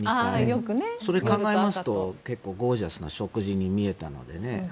それを考えますと結構ゴージャスな食事に見えたので。